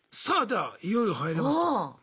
さあではいよいよ入れますと。